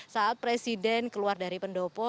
saat presiden keluar dari pendopo